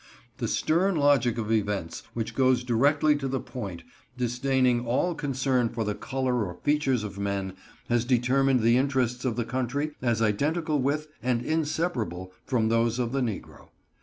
The stern logic of events, which goes directly to the point, disdaining all concern for the color or features of men, has determined the interests of the country as identical with and inseparable from those of the negro.